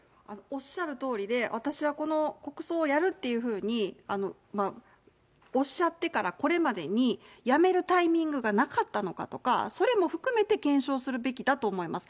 おっしゃるとおりで、私はこの国葬をやるっていうふうに、おっしゃってから、これまでにやめるタイミングがなかったのかとか、それも含めて検証するべきだと思います。